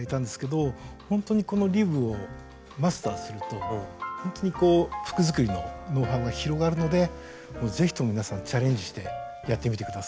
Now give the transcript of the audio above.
ほんとにこのリブをマスターするとほんとにこう服作りのノウハウが広がるのでもう是非とも皆さんチャレンジしてやってみて下さい。